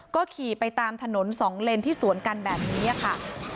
ก็ขี่ไปตามถนนสองเลนที่สวนกันแบบนี้ค่ะ